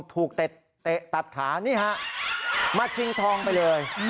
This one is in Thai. เตะตัดขานี่ฮะมาชิงทองไปเลย